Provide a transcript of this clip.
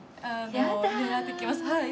やだ。